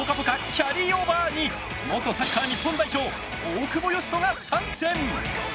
キャリーオーバーに元サッカー日本代表大久保嘉人が参戦！